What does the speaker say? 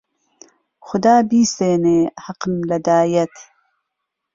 خودا بیسێنێ حهقم له دایهت